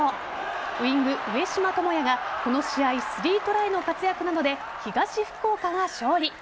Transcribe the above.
ウイング・上嶋友也がこの試合、３トライの活躍などで東福岡が勝利。